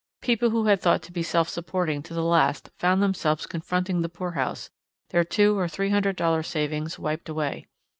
People who had thought to be self supporting to the last found themselves confronting the poorhouse, their two or three hundred dollar savings wiped away.